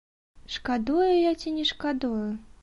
Шкадую я ці не шкадую?